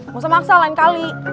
gak usah maksa lain kali